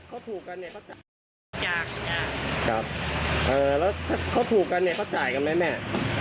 เออแล้วถ้าเขาถูกกันเนี่ยเขาจ่ายกันไหมแม่